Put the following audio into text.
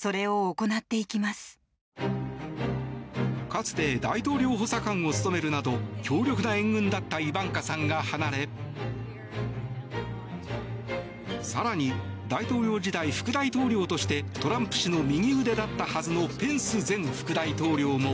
かつて大統領補佐官を務めるなど強力な援軍だったイバンカさんが離れ更に、大統領時代副大統領としてトランプ氏の右腕だったはずのペンス前副大統領も。